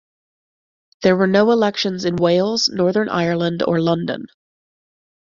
There were no elections in Wales, Northern Ireland or London.